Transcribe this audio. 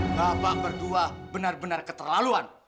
bapak berdua benar benar keterlaluan